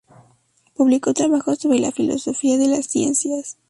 Publicó trabajos sobre la filosofía de las ciencias.